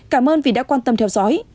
cảm ơn vì đã quan tâm theo dõi